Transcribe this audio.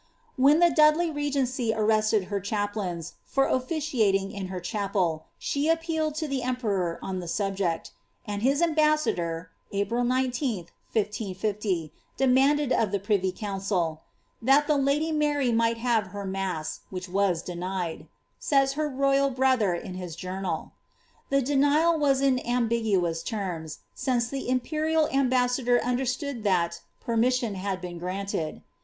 When the Dudley regency arrested her chaplains for officiating in her chapel, she appealed to tlie emperor on the subject ;' and his ambassador, April 1 9th, 1 550, demanded of the privy council ^^ that the lady Mary might have her mass, wiiich was denied," says her royal brother, in his journal. The denial was in ambiguous terms, since the im()crial am bassador understood that ^^ permission had been granted."